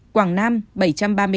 quảng nam bảy trăm ba mươi năm